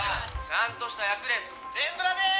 ちゃんとした役です